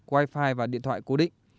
wi fi và điện thoại cố định